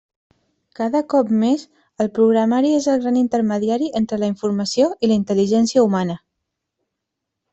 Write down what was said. Cada cop més, el programari és el gran intermediari entre la informació i la intel·ligència humana.